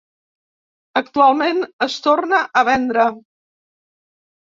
Actualment es torna a vendre.